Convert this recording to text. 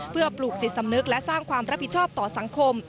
เพื่อปลูกจิตสำนึกและสร้างความรับผิดชอบต่อสังคม